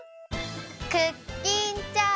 クッキンチャージ！